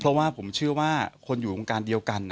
เพราะว่าผมเชื่อว่าคนอยู่วงการเดียวกัน